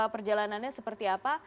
perjalanannya seperti apa